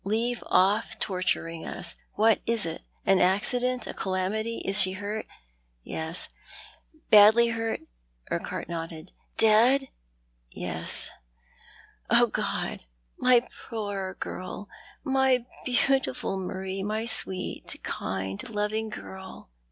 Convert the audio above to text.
" Leave off torturing us. What is it? An accident— a calamity — is she hurt ?"" Yes." " Badly hurt ?" Urquhart nodded. "Dead?" " Yes !"" God, my poor girl ! My beautiful Marie, my sweet, kind loving girl